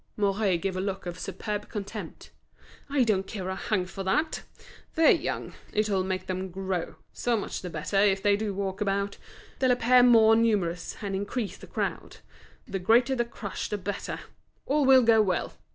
Mouret gave a look of superb contempt. "I don't care a hang for that! They're young, it'll make them grow! So much the better if they do walk about! They'll appear more numerous, and increase the crowd. The greater the crush the better; all will go well!"